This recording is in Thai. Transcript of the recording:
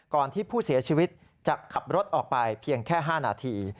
ที่ผู้เสียชีวิตจะขับรถออกไปเพียงแค่๕นาที